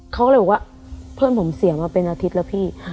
เขาก็เลยบอกว่าเพื่อนผมเสียมาเป็นอาทิตย์แล้วพี่